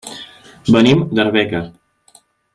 Venim d'Arbeca.